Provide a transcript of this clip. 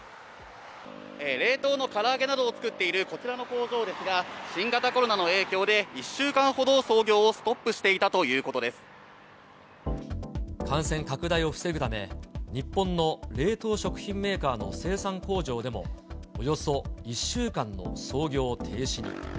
冷凍のから揚げなどを作っているこちらの工場ですが、新型コロナの影響で１週間ほど操業をストップしていたということ感染拡大を防ぐため、日本の冷凍食品メーカーの生産工場でもおよそ１週間の操業停止に。